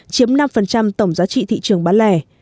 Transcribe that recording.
chiếm năm tổng giá trị thị trường bán lẻ